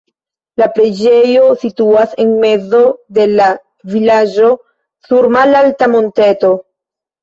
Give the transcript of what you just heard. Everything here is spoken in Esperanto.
La preĝejo situas en mezo de la vilaĝo sur malalta monteto.